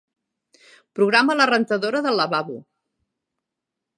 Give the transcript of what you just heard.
Programa la rentadora del lavabo.